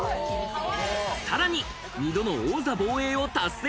さらに２度の王座防衛を達成。